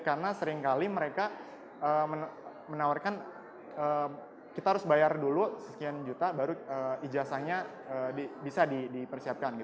karena seringkali mereka menawarkan kita harus bayar dulu sekian juta baru ijazahnya bisa dipersiapkan